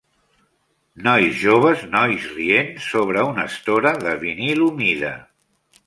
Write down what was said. Nois joves nois rient sobre una estora de vinil humida.